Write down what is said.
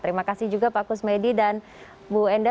terima kasih juga pak kusmedi dan bu enda